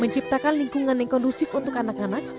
menciptakan lingkungan yang kondusif untuk anak anak